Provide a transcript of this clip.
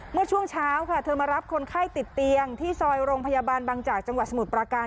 เมื่อช่วงเช้าค่ะเธอมารับคนไข้ติดเตียงที่ซอยโรงพยาบาลบางจากจังหวัดสมุทรปราการ